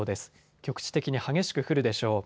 局地的に激しく降るでしょう。